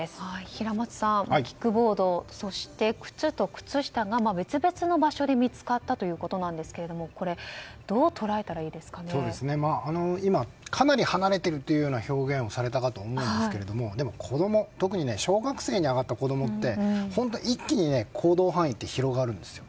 平松さん、キックボードと靴と靴下が別々の場所で見つかったということですけども今、かなり離れているという表現をされたかと思いますがでも子供特に小学生に上がった子供って本当一気に行動範囲って広がるんですよ。